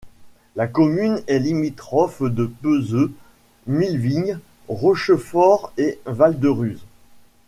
La commune est limitrophe de Peseux, Milvignes, Rochefort et Val-de-Ruz.